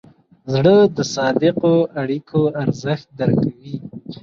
زړه د صادقو اړیکو ارزښت درک کوي.